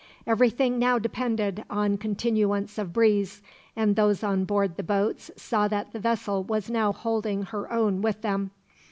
Everything now depended on continuance of breeze, and those on board the boats saw that the vessel was now holding her own with them.